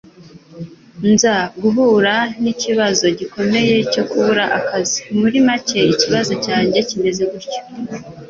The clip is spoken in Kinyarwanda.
nza guhura n'ikibazo gikomeye cyo kubura akazi, muri make ikibazo cyanjye kimeze gutya,